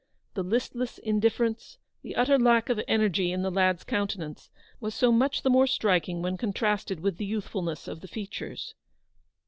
The listless indifference, the utter lack of energy in the lad's countenance, was so much the more striking when contrasted with the youthfulness of the features.